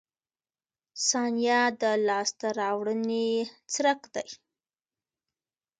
• ثانیه د لاسته راوړنې څرک دی.